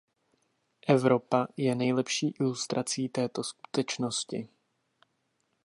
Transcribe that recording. Evropa je nejlepší ilustrací této skutečnosti.